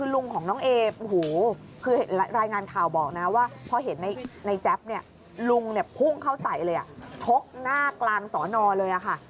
ลุงพุ่งเข้าใส่เลยชกหน้ากลางสอนอเลยค่ะ